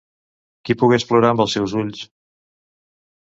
Qui pogués plorar amb els seus ulls!